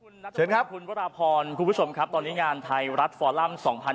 นัดจากคุณคุณวรพรคุณผู้ชมครับตอนนี้งานไทยรัฐฟอรั่ม๒๐๒๒